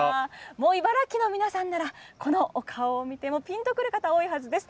茨城の皆さんならこのお顔を見てぴんとくる方多いはずです。